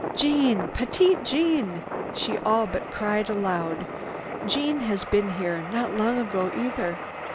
"Jeanne! Petite Jeanne!" she all but cried aloud. "Jeanne has been here, not long ago either.